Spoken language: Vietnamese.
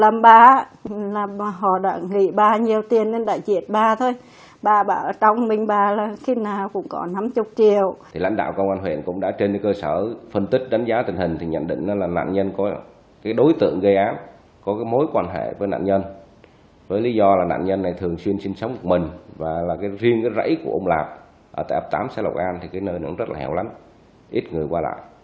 mối quan hệ với nạn nhân với lý do là nạn nhân này thường xuyên sinh sống một mình và là riêng cái rẫy của ông lạp ở tại ấp tám xã lộc an thì cái nơi nó cũng rất là hẹo lắm ít người qua lại